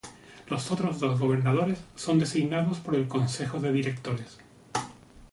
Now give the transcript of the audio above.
Los otros dos Gobernadores son designados por el consejo de Directores.